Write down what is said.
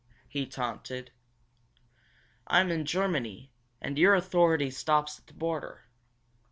he taunted. "I'm in Germany, and your authority stops at the border!